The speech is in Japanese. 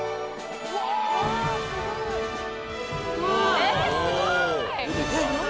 ええすごい！